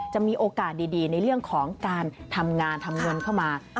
จะมีโอกาสดีในเรื่องของการทำงานทำเงินเข้ามา